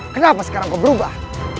kenapa sekarang kau berubah